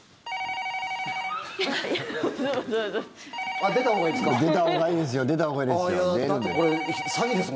あっ出たほうがいいですか？